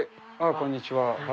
こんにちは。